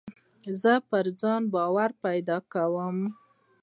زه پر ځان باور پیدا کوم.